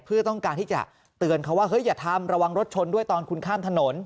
เพื่อต้องการที่จะเตือนเขาว่าเฮ้ยอย่าทำระวังรถชนด้วยตอนคุณข้ามถนน